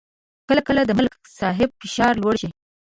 کله کله د ملک صاحب فشار لوړ شي